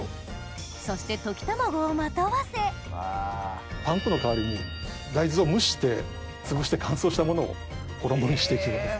そして溶き卵をまとわせパン粉の代わりに大豆を蒸してつぶして乾燥したものを衣にして行きます。